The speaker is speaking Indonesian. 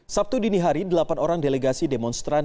sabtu dini hari delapan orang delegasi demonstran